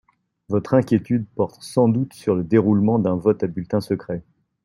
Votre inquiétude porte sans doute sur le déroulement d’un vote à bulletin secret.